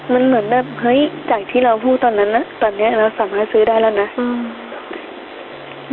มันเหมือนแบบเฮ้ยจากที่เราพูดตอนนั้นน่ะตอนเนี้ยเราสามารถซื้อได้แล้วนะอืม